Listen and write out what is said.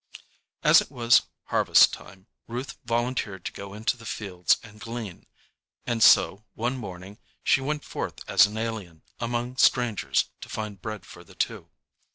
'"] As it was harvest time, Ruth volunteered to go into the fields and glean, and so, one morning, she went forth as an alien, among strangers, to find bread for the two.